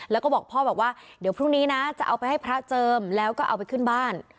แล้วก็บอกพ่อบอกว่าเดี๋ยวพรุ่งนี้นะจะเอาไปให้พระเจิมแล้วก็เอาไปขึ้นบ้าน